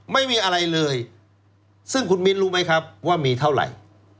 ไม่มีอะไรเลยซึ่งคุณมิ้นรู้ไหมครับว่ามีเท่าไหร่